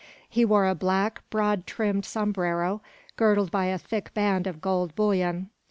He wore a black, broad brimmed sombrero, girdled by a thick band of gold bullion.